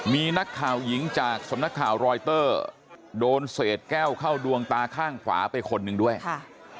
มีนักข่าวหญิงจากสำนักข่าวรอยเตอร์โดนเศษแก้วเข้าดวงตาข้างขวาไปคนหนึ่งด้วยค่ะ